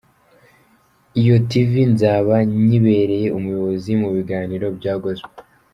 Iyo Tv nzaba nyibereye umuyobozi mu biganiro bya Gospel.